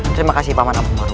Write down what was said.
terima kasih paman abang maru